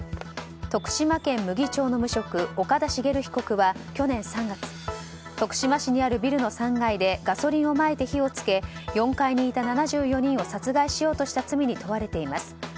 徳島県牟岐町の無職岡田茂被告は去年３月徳島市にあるビルの３階でガソリンをまいて火を付け４階にいた７４人を殺害しようとした罪に問われています。